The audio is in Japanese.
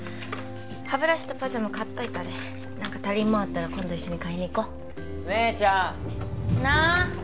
歯ブラシとパジャマ買っといたで何か足りんもんあったら今度一緒に買いに行こう姉ちゃん何？